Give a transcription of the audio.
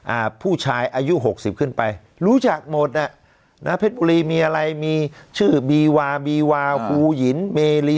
อ่าผู้ชายอายุหกสิบขึ้นไปรู้จักหมดอ่ะนะเพชรบุรีมีอะไรมีชื่อบีวาบีวาฮูหินเมรี